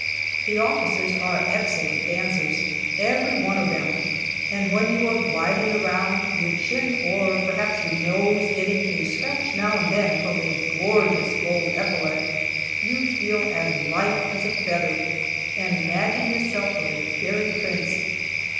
The officers are excellent dancers every one of them and when you are gliding around, your chin, or perhaps your nose, getting a scratch now and then from a gorgeous gold epaulet, you feel as light as a feather, and imagine yourself with a fairy prince.